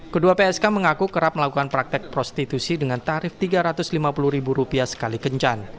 kedua psk mengaku kerap melakukan praktek prostitusi dengan tarif rp tiga ratus lima puluh sekali kencan